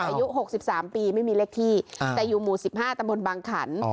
อายุหกสิบสามปีไม่มีเลขที่แต่อยู่หมู่สิบห้าตะบนบางขัน